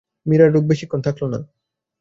মীরার রাগ বেশিক্ষণ থাকল না।